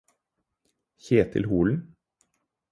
Kjetil Holen